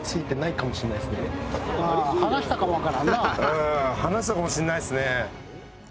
うん離したかもしんないですね。